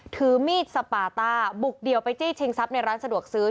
ถือมีดสปาต้าบุกเดี่ยวไปจี้ชิงทรัพย์ในร้านสะดวกซื้อ